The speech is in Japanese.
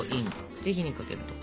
で火にかけると。